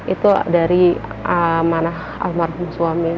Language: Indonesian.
itu dari amanah almarhum suami